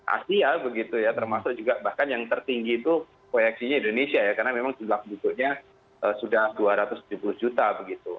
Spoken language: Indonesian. asia begitu ya termasuk juga bahkan yang tertinggi itu proyeksinya indonesia ya karena memang jumlah penduduknya sudah dua ratus tujuh puluh juta begitu